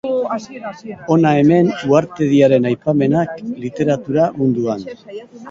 Hona hemen uhartediaren aipamenak literatura munduan.